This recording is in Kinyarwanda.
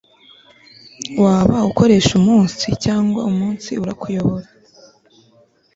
waba ukoresha umunsi, cyangwa umunsi urakuyobora